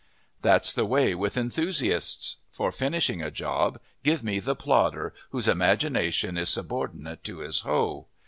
That's the way with enthusiasts. For finishing a job, give me the plodder whose imagination is subordinate to his hoe.